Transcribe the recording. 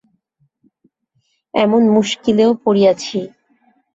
এমন মুশকিলেও পড়িয়াছি!